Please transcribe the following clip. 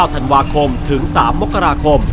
ธันวาคมถึง๓มกราคม